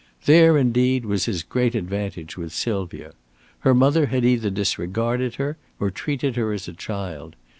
There, indeed, was his great advantage with Sylvia. Her mother had either disregarded her or treated her as a child.